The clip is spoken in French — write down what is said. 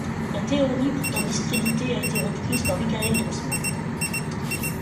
La théorie pourtant discréditée a été reprise par Michael Drosnin.